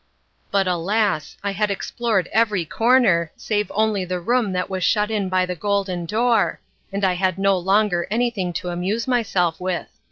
But alas! I had explored every corner, save only the room that was shut in by the Golden Door, and I had no longer anything to amuse myself with.